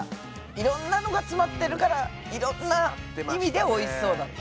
いろんなのが詰まってるからいろんな意味でおいしそうだった。